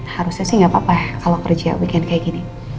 harusnya sih gapapa kalau kerja weekend kayak gini